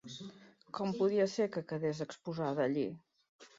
Com podia ser que quedés exposada allí?